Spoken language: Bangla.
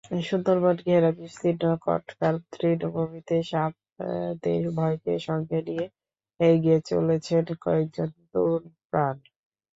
সুন্দরবনঘেরা বিস্তীর্ণ কটকার তৃণভূমিতে শ্বাপদের ভয়কে সঙ্গে নিয়ে এগিয়ে চলেছেন কয়েকজন তরুণপ্রাণ।